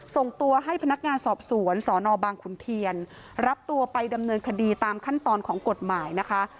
ส่งตัวให้พนักงานสอบสวนสนบางขุนเทียนรับตัวไปดำเนินคดีตามขั้นตอนของกฎหมายนะคะ